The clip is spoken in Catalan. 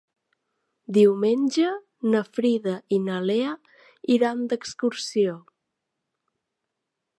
Diumenge na Frida i na Lea iran d'excursió.